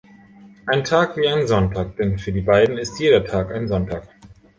Ein Tag wie ein Sonntag, denn für die beiden ist jeder Tag ein Sonntag.